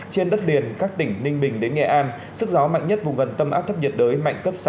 trên đất liền các tỉnh ninh bình đến nghệ an sức gió mạnh nhất vùng gần tâm áp thấp nhiệt đới mạnh cấp sáu